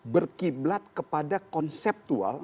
berkiblat kepada konseptual